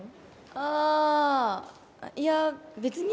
ああいや別に？